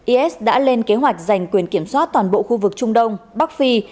is đã lên kế hoạch giành quyền kiểm soát toàn bộ khu vực trung đông bắc phi